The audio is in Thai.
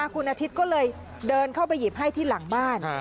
คุณอาทิตย์ก็เลยเดินเข้าไปหยิบให้ที่หลังบ้าน